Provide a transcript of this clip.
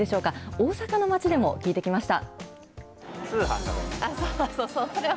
大阪の街でも聞いてきました。